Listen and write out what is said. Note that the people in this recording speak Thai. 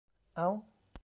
เอ๊า